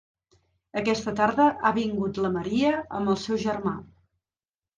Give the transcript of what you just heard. Aquesta tarda ha vingut la Maria amb el seu germà.